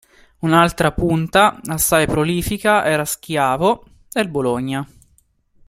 Un'altra punta assai prolifica era Schiavio, del Bologna.